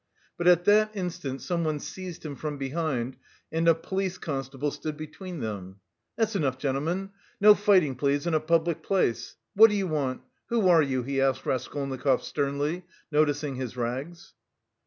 But at that instant someone seized him from behind, and a police constable stood between them. "That's enough, gentlemen, no fighting, please, in a public place. What do you want? Who are you?" he asked Raskolnikov sternly, noticing his rags.